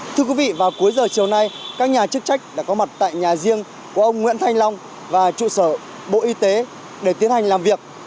thưa quý vị vào cuối giờ chiều nay các nhà chức trách đã có mặt tại nhà riêng của ông nguyễn thanh long và trụ sở bộ y tế để tiến hành làm việc